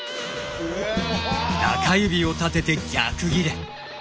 中指を立てて逆ギレ。